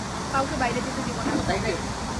কাউকে বাইরে যেতে দেবে না।